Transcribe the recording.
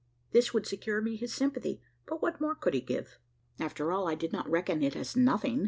This would secure me his sympathy; but what more could he give? After all, I did not reckon it as nothing.